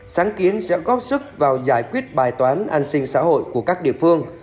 sáng kiến sẽ góp sức vào giải quyết bài toán an sinh xã hội của các địa phương